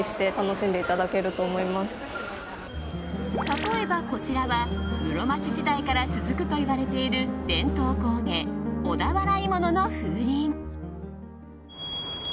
例えば、こちらは室町時代から続くといわれている伝統工芸、小田原鋳物の風鈴。